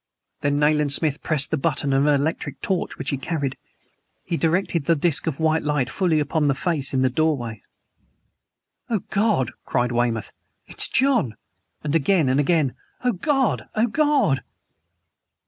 Then Nayland Smith pressed the button of an electric torch which he carried. He directed the disk of white light fully upon the face in the doorway. "Oh, God!" cried Weymouth. "It's John!" and again and again: "Oh, God! Oh, God!"